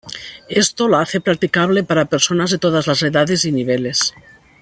Esto la hace practicable para personas de todas las edades y niveles.